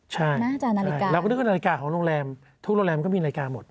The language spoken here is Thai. ใช่น่าจะนาฬิกาเราก็นึกขึ้นนาฬิกาของโรงแรมทุกโรงแรมมันก็มีนาฬิกาหมด